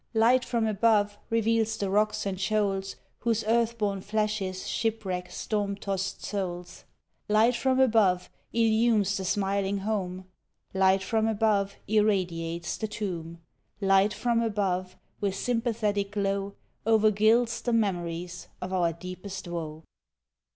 Light from above reveals the rocks and shoals Whose earth born flashes shipwreck storm tost souls; Light from above illumes the smiling home; Light from above irradiates the tomb; Light from above with sympathetic glow O'ergilds the memories of our deepest woe.